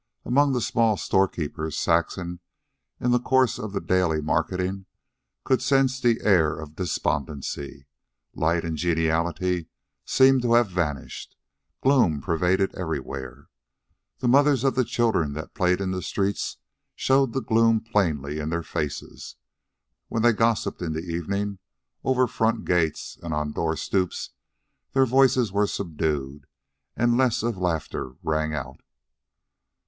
Among the small storekeepers, Saxon, in the course of the daily marketing, could sense the air of despondency. Light and geniality seemed to have vanished. Gloom pervaded everywhere. The mothers of the children that played in the streets showed the gloom plainly in their faces. When they gossiped in the evenings, over front gates and on door stoops, their voices were subdued and less of laughter rang out.